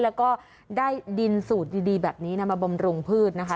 แล้วก็ได้ดินสูตรดีแบบนี้นำมาบำรุงพืชนะคะ